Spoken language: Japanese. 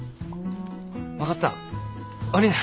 分かった悪いな。